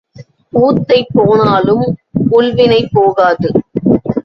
ஊத்தை போனாலும் உள்வினை போகாது.